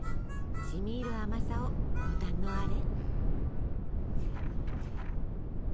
しみいる甘さをご堪能あれ。